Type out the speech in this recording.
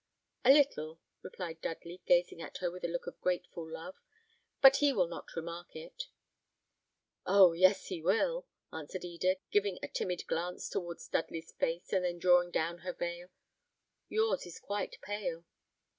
"A little," replied Dudley, gazing at her with a look of grateful love; "but he will not remark it." "Oh! yes, he will," answered Eda, giving a timid glance towards Dudley's face, and then drawing down her veil. "Yours is quite pale."